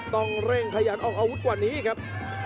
ต้องเร่งขยันออกอาวุธกว่านี้ครับ